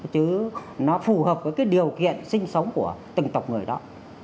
chứ nó phù hợp với cái điều kiện sinh sống của từng tộc người đó